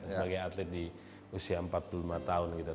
sebagai atlet di usia empat puluh lima tahun gitu